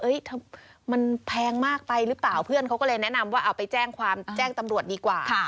มันแพงมากไปหรือเปล่าเพื่อนเขาก็เลยแนะนำว่าเอาไปแจ้งความแจ้งตำรวจดีกว่า